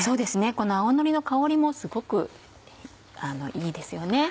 この青のりの香りもすごくいいですよね。